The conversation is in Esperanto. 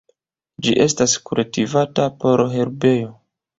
Ĝi estas kultivata por herbejo.